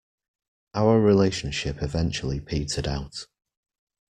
Our relationship eventually petered out.